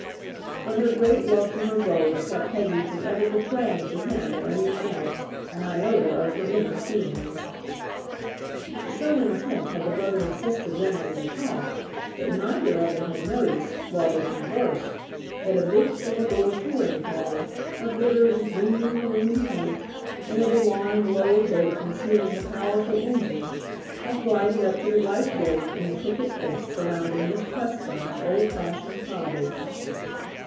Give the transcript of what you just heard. But her great love for her brother kept Peggy from ever betraying to him or any one else an iota of her inner feelings. So intent had the brother and sister been on their talk that neither of them had noticed, while they conversed, that a big four door touring car, aglitter with gleaming maroon paint, and with a long, low hood concealing a powerful engine, had glided up to the white gate in the picket fence surrounding Miss Prescott's old fashioned cottage.